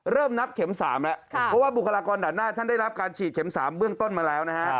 เริ่มนับเข็ม๓แล้วเพราะว่าบุคลากรด่านหน้าท่านได้รับการฉีดเข็ม๓เบื้องต้นมาแล้วนะฮะ